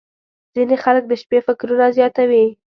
• ځینې خلک د شپې فکرونه زیاتوي.